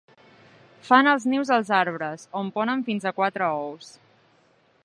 Fan els nius als arbres, on ponen fins a quatre ous.